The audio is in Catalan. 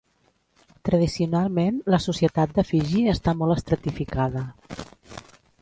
Tradicionalment, la societat de Fiji està molt estratificada.